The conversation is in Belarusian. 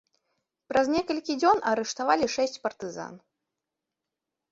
Праз некалькі дзён арыштавалі шэсць партызан.